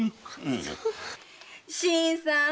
新さん！